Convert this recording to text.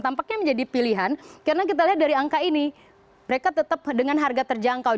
tampaknya menjadi pilihan karena kita lihat dari angka ini mereka tetap dengan harga terjangkau